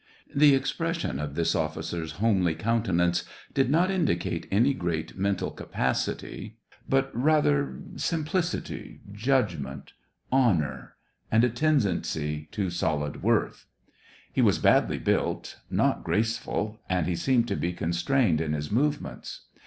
The expression of this officer's homely counte * Sea. 40 SEVASTOPOL IN MAY. nance did not indicate any great mental capacity, but rather simplicity, judgment, honor, and a ten dency to solid worth. He was badly built, not graceful, and he seemed to be constrained in his movements.